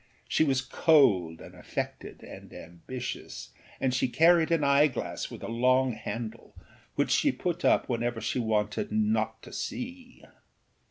She was cold and affected and ambitious, and she carried an eyeglass with a long handle, which she put up whenever she wanted not to see.